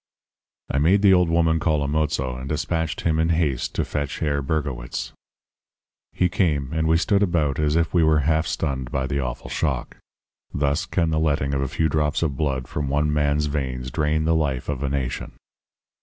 "I made the old woman call a mozo, and dispatched him in haste to fetch Herr Bergowitz. "He came, and we stood about as if we were half stunned by the awful shock. Thus can the letting of a few drops of blood from one man's veins drain the life of a nation.